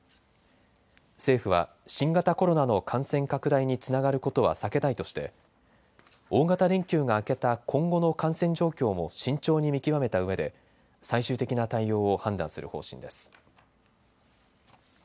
政府は新型コロナの感染拡大につながることは避けたいとして大型連休が明けた今後の感染状況も慎重に見極めたうえで最終的な対応を判断する方針です。